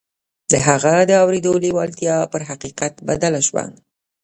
د هغه د اورېدو لېوالتیا پر حقيقت بدله شوه.